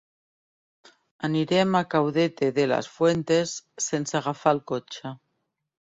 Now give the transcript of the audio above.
Anirem a Caudete de las Fuentes sense agafar el cotxe.